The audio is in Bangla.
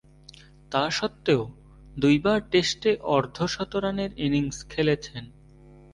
তাসত্ত্বেও, দুইবার টেস্টে অর্ধ-শতরানের ইনিংস খেলেছেন।